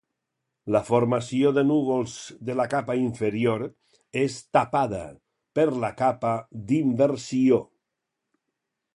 La formació de núvols de la capa inferior és "tapada" per la capa d'inversió.